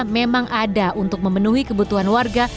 memang ada untuk memenuhi kebutuhan warga